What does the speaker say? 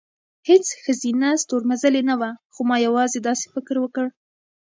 هېڅ ښځینه ستورمزلې نه وه، خو ما یوازې داسې فکر وکړ،